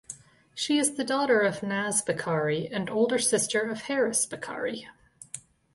She is the daughter of Naz Bokhari and older sister of Harris Bokhari.